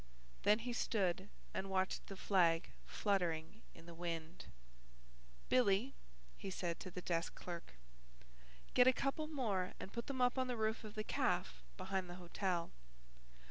Then he stood and watched the flag fluttering in the wind. "Billy," he said to the desk clerk, "get a couple more and put them up on the roof of the caff behind the hotel.